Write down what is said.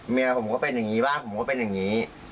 เมียผมก็เป็นอย่างนี้บ้างผมก็เป็นอย่างนี้